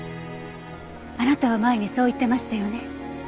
あなたは前にそう言ってましたよね。